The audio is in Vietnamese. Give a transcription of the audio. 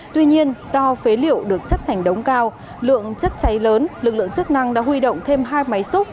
tuy nhiên do phế liệu được chất thành đống cao lượng chất cháy lớn lực lượng chức năng đã huy động thêm hai máy xúc